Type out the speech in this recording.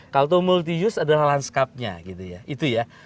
kalau multi use adalah landscape nya gitu ya